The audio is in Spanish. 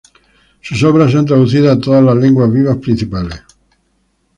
Sus obras se han traducido a todas las lenguas vivas principales.